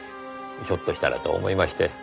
ひょっとしたらと思いまして。